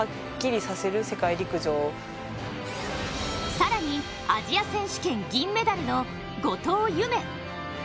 更にアジア選手権銀メダルの後藤夢。